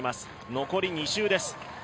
残り２周です。